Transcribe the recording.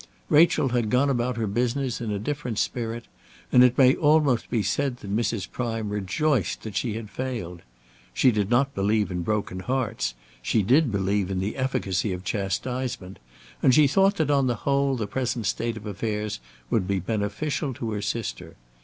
Rachel had gone about her business in a different spirit, and it may almost be said that Mrs. Prime rejoiced that she had failed. She did not believe in broken hearts; she did believe in the efficacy of chastisement; and she thought that on the whole the present state of affairs would be beneficial to her sister.